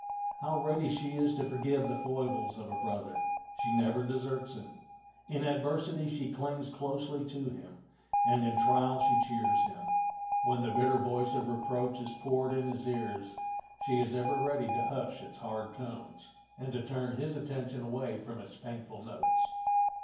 How ready she is to forgive the foibles of a brother! She never deserts him. In adversity she clings closely to him, and in trial she cheers him. When the bitter voice of reproach is poured in his ears she is ever ready to hush its hard tones, and to turn his attention away from its painful notes.